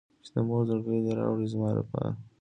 چې د مور زړګی دې راوړي زما لپاره.